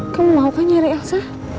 kamu mau kan cari elsa